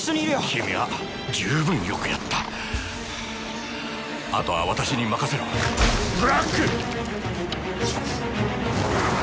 君は十分よくやったあとは私に任せろブラック！